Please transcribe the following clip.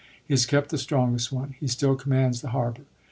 He has kept the strongest one. He still commands the harbor.